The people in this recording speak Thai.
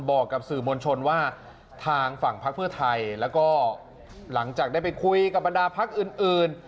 บอกกับสื่อมวลชนว่าทางฝั่งพักเพื่อไทยแล้วก็หลังจากได้ไปคุยกับบรรดาพักอื่น